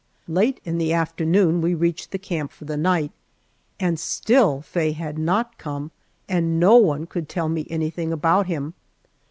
Late in the afternoon we reached the camp for the night, and still Faye had not come and no one could tell me anything about him.